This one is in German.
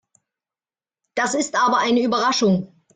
Das ist aber eine Überraschung.